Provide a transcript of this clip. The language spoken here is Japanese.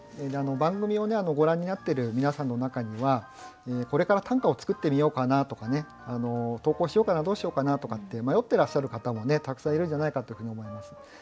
番組をご覧になってる皆さんの中にはこれから短歌を作ってみようかなとかね投稿しようかなどうしようかなとかって迷ってらっしゃる方もねたくさんいるんじゃないかっていうふうに思います。